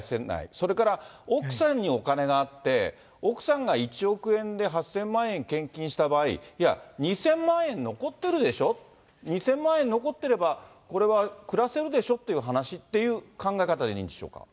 それから奥さんにお金があって、奥さんが１億円で８０００万円献金した場合、いや、２０００万円残ってるでしょ、２０００万円残ってれば、これは暮らせるでしょ？っていう話っていう考え方でいいんでしょうか。